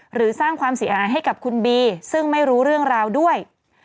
หรือสร้างความเสียหายให้กับคุณบีซึ่งไม่รู้เรื่องราวด้วย